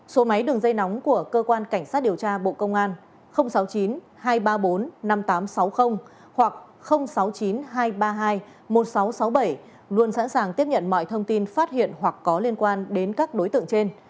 số máy đường dây nóng của cơ quan cảnh sát điều tra bộ công an sáu mươi chín hai trăm ba mươi bốn năm nghìn tám trăm sáu mươi hoặc sáu mươi chín hai trăm ba mươi hai một nghìn sáu trăm sáu mươi bảy luôn sẵn sàng tiếp nhận mọi thông tin phát hiện hoặc có liên quan đến các đối tượng trên